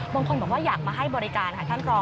บางคนบอกว่าอยากมาให้บริการค่ะ